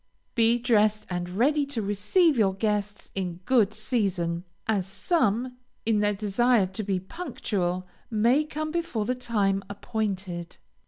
Be dressed and ready to receive your guests in good season, as some, in their desire to be punctual, may come before the time appointed.